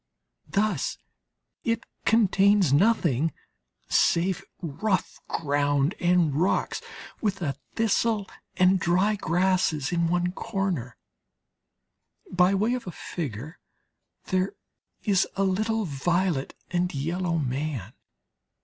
Thus it contains nothing save rough ground and rocks with a thistle and dry grasses in one corner; by way of a figure there is a little violet and yellow man.